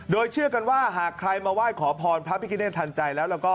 โดยเชื่อกันว่าหากใครมาไหว้ขอพรพระพิคเนธทันใจแล้วก็